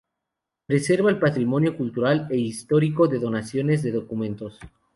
Preserva el patrimonio cultural e histórico, de donaciones de documentos.